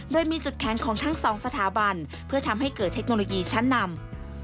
โดยมีจุดแข็งของทั้งสองสถาบันเพื่อทำให้เกิดเทคโนโลยีชั้นนำ